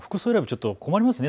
ちょっと困りますね